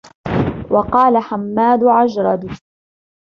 وَقَالَ حَمَّادُ عَجْرَدُ